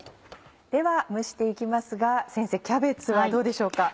では蒸して行きますがキャベツはどうでしょうか？